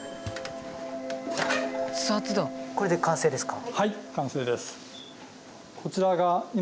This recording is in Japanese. これで完成ですか？